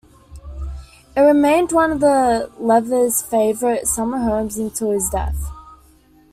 It remained one of Lever's favourite summer homes until his death.